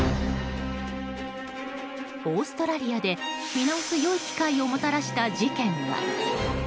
オーストラリアで見直す良い機会をもたらした事件が。